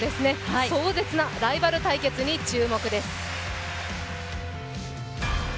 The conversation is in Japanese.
壮絶なライバル対決に注目です。